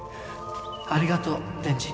ありがとう天智。